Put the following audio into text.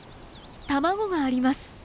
卵があります。